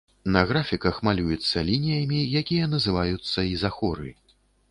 На графіках малюецца лініямі, якія называюцца ізахоры.